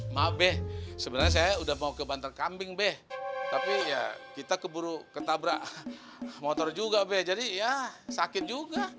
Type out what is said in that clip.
mabe sebenarnya saya udah mau ke bantar kambing beh tapi ya kita keburu ketabrak motor juga beh jadi ya sakit juga